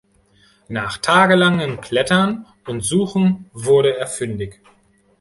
Nach tagelangem Klettern und Suchen wurde er fündig.